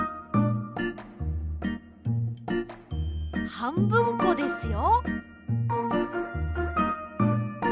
はんぶんこですよ。